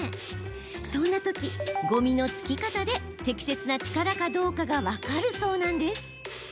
そんなとき、ごみのつき方で適切な力かどうかが分かるそうなんです。